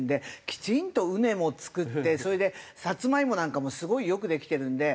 きちんと畝も作ってそれでサツマイモなんかもすごいよくできてるんで。